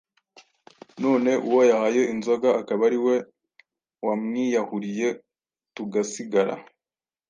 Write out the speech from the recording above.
none uwo yahaye inzoga akaba ari we wamwiyahuriye tugasigara!”